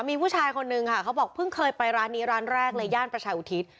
มีผู้ชายคนนึงค่ะเขาบอกเพิ่งเคยไปร้านนี้ร้านแรกเลยย่านประชาอุทิศ